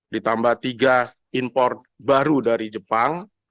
ditambah tiga import baru dari jepang